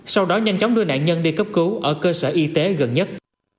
sau đó nhanh chóng đưa nạn nhân đi cấp cứu ở cơ sở y tế gần nhất